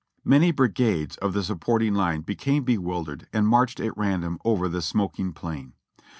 Many brigades of the supporting line became bewildered and marched at random over the smoking plain.